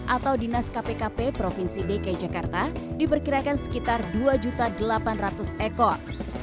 atau dinas kpkp provinsi dki jakarta diperkirakan sekitar dua delapan ratus ekor